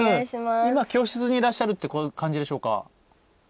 今は教室にいらっしゃるって感じでしょうか。